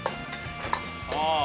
ああ。